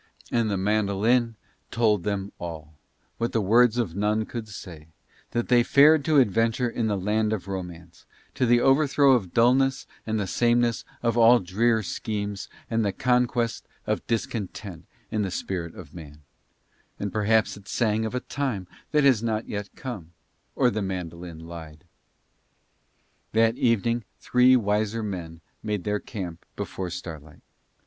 And the mandolin told them all, what the words of none could say, that they fared to adventure in the land of Romance, to the overthrow of dullness and the sameness of all drear schemes and the conquest of discontent in the spirit of man; and perhaps it sang of a time that has not yet come, or the mandolin lied. That evening three wiser men made their camp before starlight.